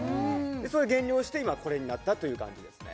それで減量して今これになったという感じですね